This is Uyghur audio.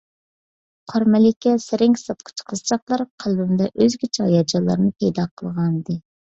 قار مەلىكە، سەرەڭگە ساتقۇچى قىزچاقلار قەلبىمدە ئۆزگىچە ھاياجانلارنى پەيدا قىلغانىدى.